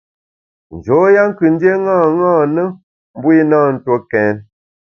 Njoya kù ndié ṅaṅâ na, mbu i na ntue kèn.